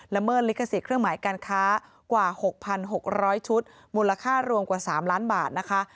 เมิดลิขสิทธิ์เครื่องหมายการค้ากว่า๖๖๐๐ชุดมูลค่ารวมกว่า๓ล้านบาทนะคะ